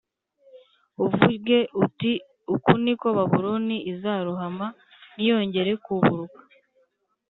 uvuge uti uku ni ko Babuloni izarohama ntiyongere kuburuka